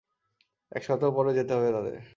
এক সপ্তাহ পরেও যেতে হবে তাদের।